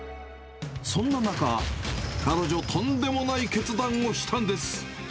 そんな中、彼女、とんでもない決断をしたんです。